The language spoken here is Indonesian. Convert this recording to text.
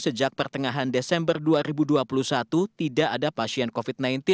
sejak pertengahan desember dua ribu dua puluh satu tidak ada pasien covid sembilan belas